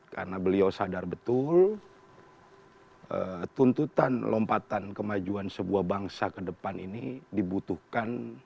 karena beliau sadar betul tuntutan lompatan kemajuan sebuah bangsa kedepan ini dibutuhkan